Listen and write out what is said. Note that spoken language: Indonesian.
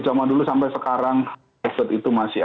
zaman dulu sampai sekarang efek itu masih